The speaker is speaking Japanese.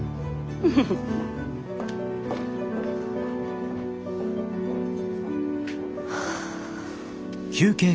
フフフフ。はあ。